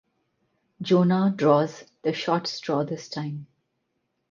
Jonah draws the short straw this time.